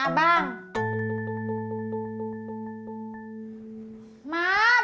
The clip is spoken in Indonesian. mak bang ojak nggak mau bangun